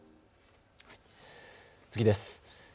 次です。